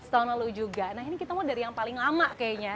setahun lalu juga nah ini kita mau dari yang paling lama kayaknya